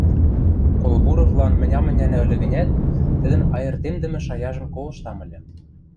Колбуровлан мӹнь ам ӹнянӹ ыльы гӹнят, тӹдӹн айыртемдӹмӹ шаяжым колыштам ыльы.